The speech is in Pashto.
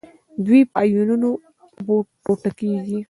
دوی په آیونونو ټوټه کیږي.